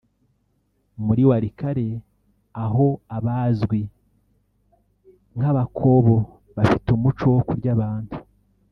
muri Walikale aho abazwi nk’Abakobo bafite umuco wo kurya abantu